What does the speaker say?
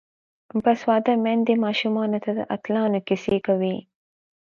باسواده میندې ماشومانو ته د اتلانو کیسې کوي.